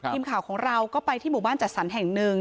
ทีมข่าวของเราก็ไปที่หมู่บ้านจัดสรรแห่งหนึ่ง